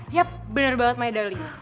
yap bener banget maya dali